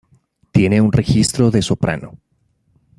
Tiene un registro de soprano.